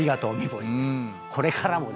これからも。